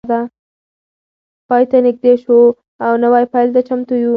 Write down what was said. پای ته نږدې شو او نوی پیل ته چمتو یو.